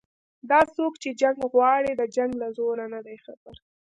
دا څوک چې جنګ غواړي د جنګ له زوره نه دي خبر